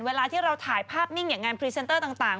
เวลาที่เราถ่ายภาพนิ่งอย่างงานพรีเซนเตอร์ต่าง